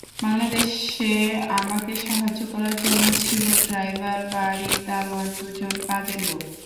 বাংলাদেশে আমাকে সাহায্য করার জন্য ছিল ড্রাইভার, বাড়ির দারোয়ান, দুজন কাজের লোক।